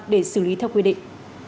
để xử lý theo quy định